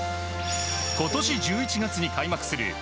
今年１１月に開幕するＦＩＦＡ